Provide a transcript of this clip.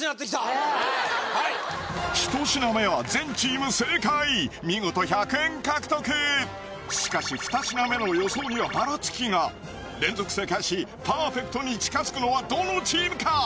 １品目は全チーム正解見事１００円獲得しかし２品目の予想にはばらつきが連続正解しパーフェクトに近づくのはどのチームか？